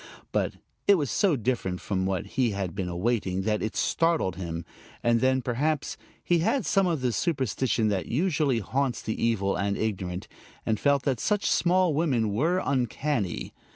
But it was so different from what he had been awaiting that it startled him; and then, perhaps, he had some of the superstition that usually haunts the evil and ignorant, and felt that such small women were uncanny.